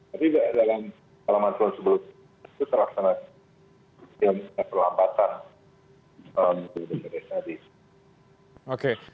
dari bds tadi